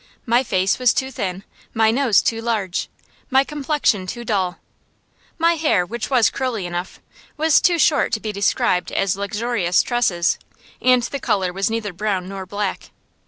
My face was too thin, my nose too large, my complexion too dull. My hair, which was curly enough, was too short to be described as luxurious tresses; and the color was neither brown nor black.